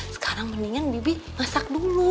sekarang mendingan bibi masak dulu